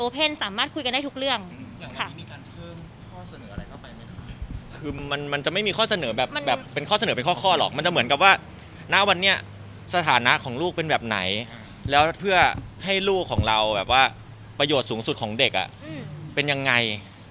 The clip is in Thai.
เป็นข้อเสนอเป็นข้อหรอกมันจะเหมือนกับว่าหน้าวันนี้สถานะของลูกเป็นแบบไหนแล้วเพื่อให้ลูกของเราแบบว่าประโยชน์สูงสุดของเด็กอะเป็นยังไง